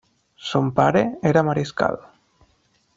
Son pare era mariscal.